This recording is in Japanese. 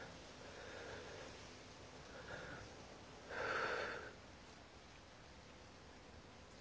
ふう。